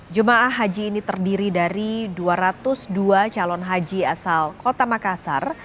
jemaah haji ini terdiri dari dua ratus dua calon haji asal kota makassar